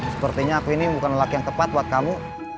sepertinya aku ini bukan lelaki yang tepat buat kamu